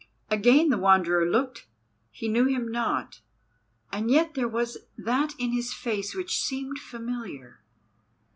Again the Wanderer looked; he knew him not, and yet there was that in his face which seemed familiar.